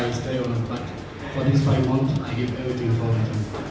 jika saya berada di pangkalan saya berikan segalanya kepada mereka